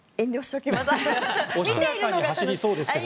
おしとやかに走りそうですが。